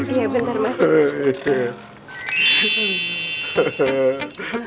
iya bener mas